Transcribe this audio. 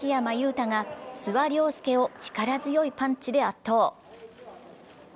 汰が諏訪竜介を力強いパンチで圧倒。